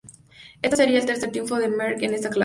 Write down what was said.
Ésta sería el tercer triunfo de Merckx en esta clásica.